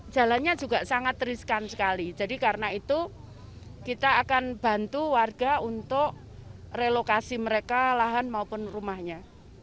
jalannya juga sangat riskan sekali jadi karena itu kita akan bantu warga untuk relokasi mereka lahan maupun rumahnya